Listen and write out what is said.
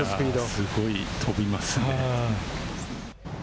すごい飛びますね。